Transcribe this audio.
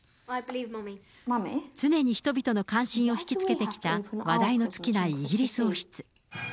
常に人々の関心を引き付けてきた話題の尽きないイギリス王室。